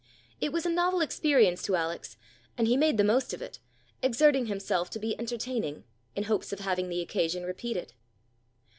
It was a novel experience to Alex, and he made the most of it, exerting himself to be entertaining, in hopes of having the occasion repeated.